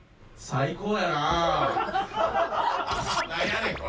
最高やな。